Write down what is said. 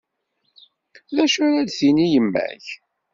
D acu ara d-tini yemma-k?